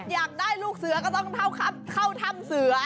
อยากได้ลูกเสือก็ต้องเข้าถ้ำเสือ